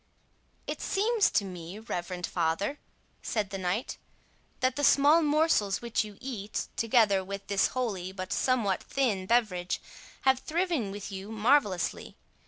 "It seems to me, reverend father," said the knight, "that the small morsels which you eat, together with this holy, but somewhat thin beverage, have thriven with you marvellously.